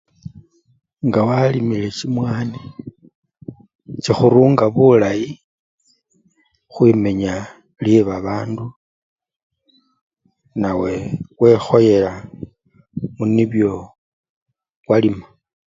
Ngawalimile chimwani chikhurunga bulayi khwimenya lyebabandu nawe wekhoyela munibyo walima.